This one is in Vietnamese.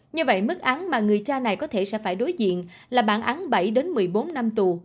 như vậy mức án mà người cha này có thể sẽ phải đối diện là bản án bảy một mươi bốn năm tù